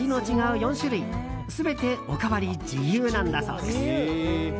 ４種類全ておかわり自由なんだそうです。